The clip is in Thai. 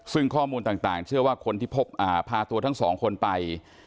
ซึ่งข้อมูลต่างเชื่อว่าคนที่พบพาตัวทั้งสองคนไป